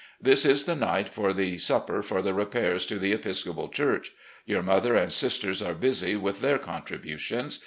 This is the night for the supper for the repairs to the Episcopal church. Your mother and sisters are busy with their contributions.